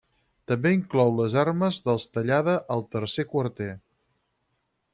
També inclou les armes dels Tallada al tercer quarter.